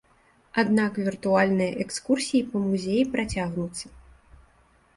Аднак віртуальныя экскурсіі па музеі працягнуцца.